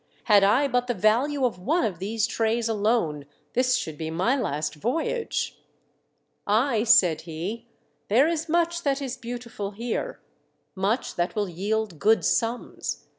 " Had I but the value of one of these trays alone this should be my last voyage." "Ay," said he, "there is much that is beautiful here. Much that will yield good sums.